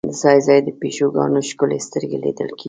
ځای ځای د پیشوګانو ښکلې سترګې لیدل کېږي.